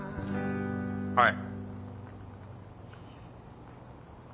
はい。